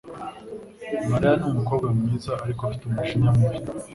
Mariya ni umukobwa mwiza, ariko afite umujinya mubi.